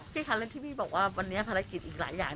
ค่ะเรื่องที่พี่บอกว่าวันนี้ภารกิจอีกหลายอย่าง